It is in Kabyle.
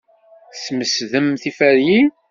Tesmesdem tiferyin.